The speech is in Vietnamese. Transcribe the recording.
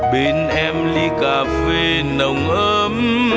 bên em ly cà phê nồng ấm